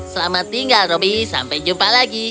selamat tinggal roby sampai jumpa lagi